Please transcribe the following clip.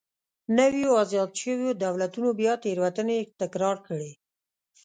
نویو ازاد شویو دولتونو بیا تېروتنې تکرار کړې.